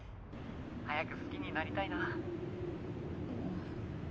早く好きになりたいな。